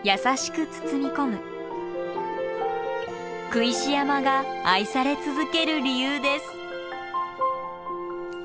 工石山が愛され続ける理由です。